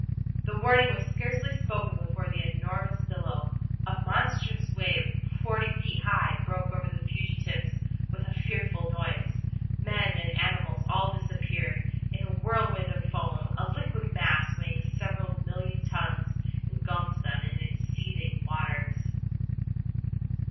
The warning was scarcely spoken before the enormous billow, a monstrous wave forty feet high, broke over the fugitives with a fearful noise. Men and animals all disappeared in a whirl of foam; a liquid mass, weighing several millions of tons, engulfed them in its seething waters.